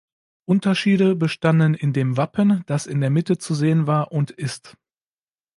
Unterschiede bestanden in dem Wappen, das in der Mitte zu sehen war und ist.